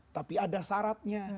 tapi ada syaratnya